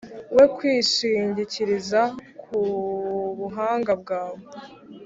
we kwishingikiriza ku buhanga bwawe